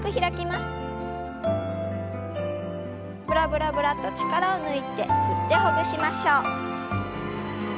ブラブラブラッと力を抜いて振ってほぐしましょう。